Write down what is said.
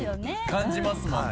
感じますもんね。